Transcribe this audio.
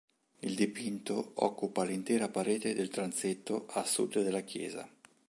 Il dipinto occupa l'intera parete del transetto a sud della chiesa.